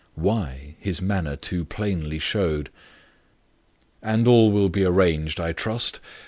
why, his manner too plainly showed. "And all will be arranged, I trust?